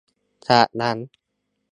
จากนั้น